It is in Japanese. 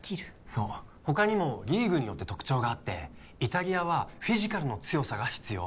そう他にもリーグによって特徴があってイタリアはフィジカルの強さが必要